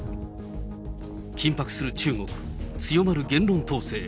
緊迫する中国、強まる言論統制。